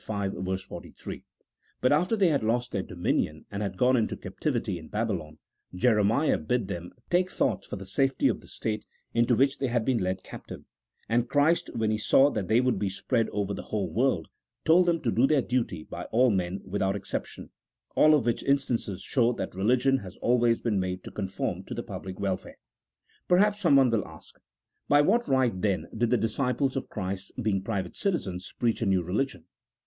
v. 43), but after they had lost their dominion and had gone into captivity in Babylon, Jeremiah bid them take thought for the safety of the state into which they had been led captive ; and Christ when He saw that they would be spread over the whole world, told them to do their duty by all men without ex ception ; all of which instances show that religion has always been made to conform to the public welfare. Perhaps someone will ask : By what right, then, did the disciples CHAP. XIX.] OF THE OUTWARD FORMS OF RELIGION. 251 of Christ, being private citizens, preach a new religion